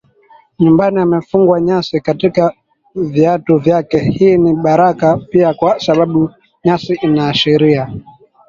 nyumbani amefungwa nyasi katika viatu vyake Hii ni baraka pia kwa sababu nyasi inaashiria